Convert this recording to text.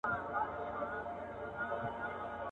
• ړانده ته شپه او ورځ يوه ده.